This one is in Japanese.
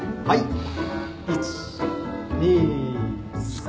１２３